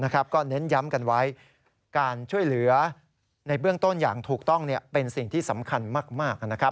ก็เน้นย้ำกันไว้การช่วยเหลือในเบื้องต้นอย่างถูกต้องเป็นสิ่งที่สำคัญมาก